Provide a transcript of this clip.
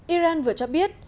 iran vừa cho biết